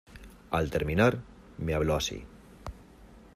al terminar, me habló así: